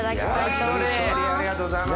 焼き鳥ありがとうございます。